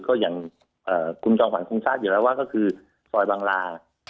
คืออย่างคุณจองขวัญคุณชาติอยู่แล้วว่าก็คือสอยบังลา